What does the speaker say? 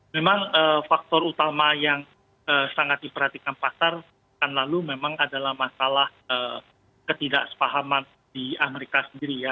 memang faktor utama yang sangat diperhatikan pasar akan lalu memang adalah masalah ketidaksepahaman di amerika sendiri ya